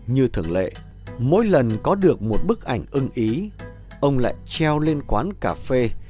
như thường lệ mỗi lần có được một bức ảnh ưng ý ông lại treo lên quán cà phê